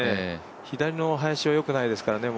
左の林は良くないですからね。